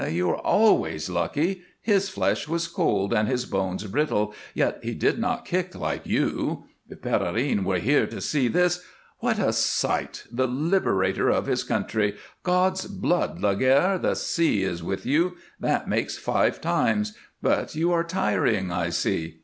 You were always lucky. His flesh was cold and his bones brittle, yet he did not kick like you. If Pierrine were here to see this! What a sight the liberator of his country God's blood, Laguerre! The sea is with you! That makes five times. But you are tiring, I see.